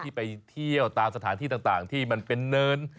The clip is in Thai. ไปเที่ยวตามสถานที่ต่างที่มันเป็นเนิน